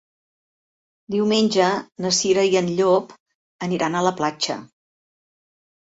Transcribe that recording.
Diumenge na Cira i en Llop aniran a la platja.